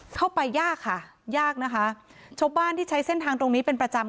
เข้าไปยากค่ะยากนะคะชาวบ้านที่ใช้เส้นทางตรงนี้เป็นประจำ